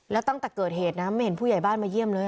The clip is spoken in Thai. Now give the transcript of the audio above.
แล้วตั้งแต่เกิดเหตุนะไม่เห็นผู้ใหญ่บ้านมาเยี่ยมเลย